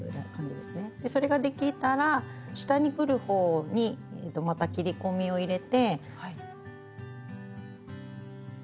それができたら下にくる方にまた切り込みを入れて。